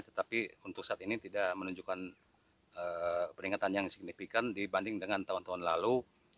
tetapi untuk saat ini tidak menunjukkan peningkatan yang signifikan dibanding dengan tahun tahun lalu